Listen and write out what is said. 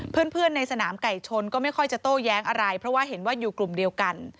เพื่อนในสนามไก่ชนก็ไม่ค่อยจะโต้แย้งอะไรเพราะว่าเห็นว่าอยู่กลุ่มเดียวกัน